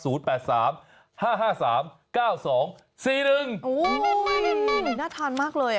อุ้ยน่าทานมากเลย